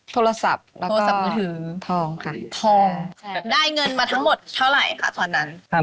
โทรศัพท์